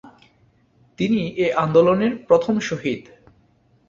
তিনি এ আন্দোলনের প্রথম শহীদ।